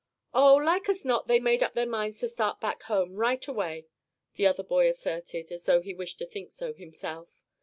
"Oh, like as not they made up their minds to start back home right away," the other boy asserted, as though he wished to think so himself.